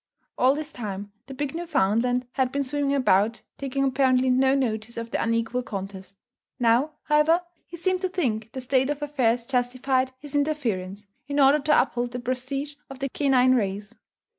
All this time, the big Newfoundland had been swimming about, taking apparently no notice of the unequal contest. Now, however, he seemed to think the state of affairs justified his interference, in order to uphold the prestige of the canine race.